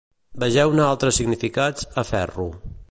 Vegeu-ne altres significats a «ferro».